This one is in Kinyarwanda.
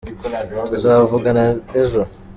Tuzavugana ejo